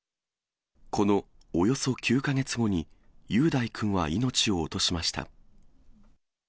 このおよそ９か月後に、雄大君は命を落としました。